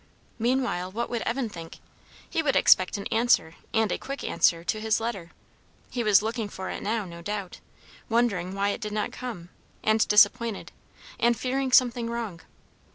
Meanwhile, what would Evan think? He would expect an answer, and a quick answer, to his letter; he was looking for it now, no doubt; wondering why it did not come, and disappointed, and fearing something wrong.